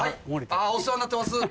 あぁお世話になってます。